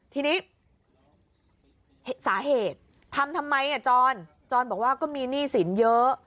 ทีนี้สาเหตุทำทำไมจรจรบอกว่าก็มีหนี้สินเยอะ